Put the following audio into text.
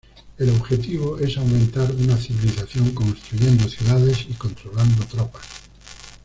El objetivo es aumentar una civilización construyendo ciudades y controlando tropas.